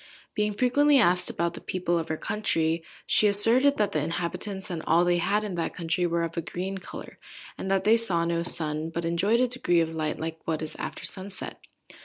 Being frequently asked about the people of her country, she asserted that the inhabitants, and all they had in that country, were of a green colour, and that they saw no sun, but enjoyed a degree of light like what is after sunset.